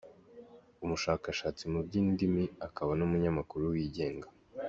Umushakashatsi mu by’indimi akaba n’umunyamakuru wigenga.